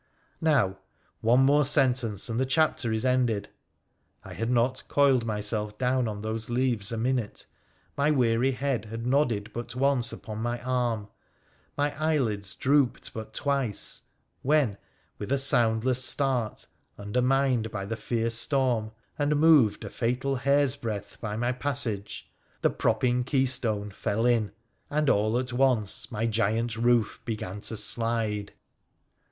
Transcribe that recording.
Now one more sentence, and the chapter is ended. I had not coiled myself down on those leaves a minute, my weary head had nodded but once upon my arm, my eyelids drooped but twice, when, with a soundless start, undermined by the fierce storm, and moved a fatal hair's breadth by my passage, the propping key stone fell in, and all at once my giant roof began to slide.